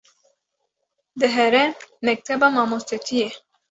dihere mekteba mamostetiyê